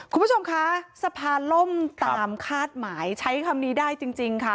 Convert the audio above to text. คุณผู้ชมคะสะพานล่มตามคาดหมายใช้คำนี้ได้จริงค่ะ